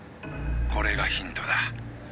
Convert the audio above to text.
これがヒントだ」